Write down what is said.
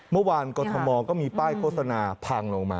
เมื่อวานกรทมก็มีป้ายโฆษณาพังลงมา